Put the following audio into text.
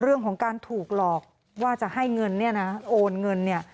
เรื่องของการถูกหลอกว่าจะให้เงินเนี่ยนะโอนเงินเนี่ย